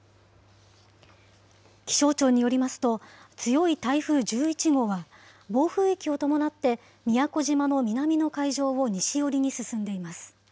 気象庁によりますと、強い台風１１号は暴風域を伴って、宮古島の南の海上を西寄りに進んでいます。